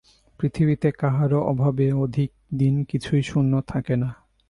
পৃথিবীতে কাহারো অভাবে অধিক দিন কিছুই শূন্য থাকে না।